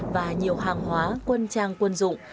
và nhiều hàng hóa quân trang quân dụng